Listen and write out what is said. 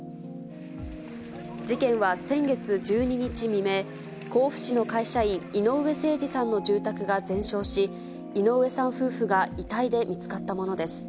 事件は先月１２日未明、甲府市の会社員、井上盛司さんの住宅が全焼し、井上さん夫婦が遺体で見つかったものです。